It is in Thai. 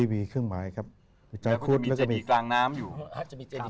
จะมีเครื่องหมายครับมีจตรีกลางน้ำอยู่